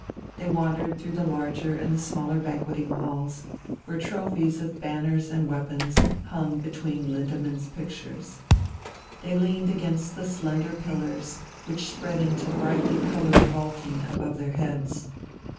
They wandered through the larger and the smaller banqueting halls, where trophies of banners and weapons hung between Lindemann's pictures. They leaned against the slender pillars, which spread into brightly coloured vaulting above their heads.